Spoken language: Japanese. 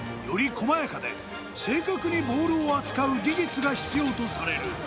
細やかで正確にボールを扱う技術が必要とされる